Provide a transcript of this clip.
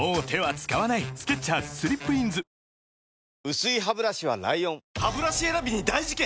薄いハブラシは ＬＩＯＮハブラシ選びに大事件！